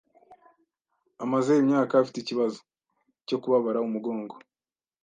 Amaze imyaka afite ikibazo cyo kubabara umugongo.